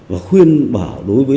và khuyên bảo đối với